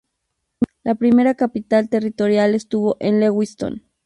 La primera capital territorial estuvo en Lewiston.